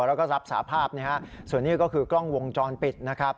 แล้วก็รับสาภาพนะฮะส่วนนี้ก็คือกล้องวงจรปิดนะครับ